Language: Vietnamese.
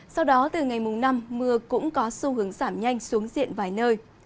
sau đó từ ngày mùng năm mưa cũng có xu hướng giảm nhanh xuống diện vài nơi